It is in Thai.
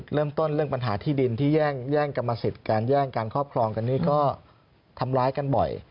เราพรองกันนี่ก็ทำร้ายกันบ่อย